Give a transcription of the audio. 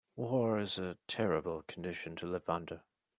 War is a terrible condition to live under.